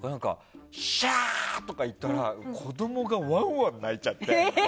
しゃー！とか言ったら子供がワンワン泣いちゃって。